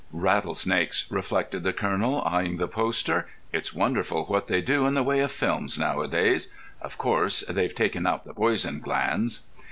"Rattlesnakes," reflected the Colonel, eyeing the poster. "It's wonderful what they do in the way of films nowadays. Of course, they've taken out the poison glands."